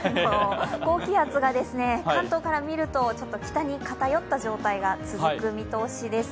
高気圧が関東から見るとちょっと北に偏った状態が続く見通しです。